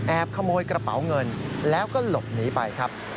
ขโมยกระเป๋าเงินแล้วก็หลบหนีไปครับ